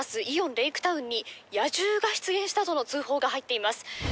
イオンレイクタウンに野獣が出現したとの通報が入っています。